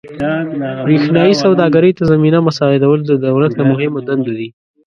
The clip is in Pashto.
برېښنايي سوداګرۍ ته زمینه مساعدول د دولت له مهمو دندو دي.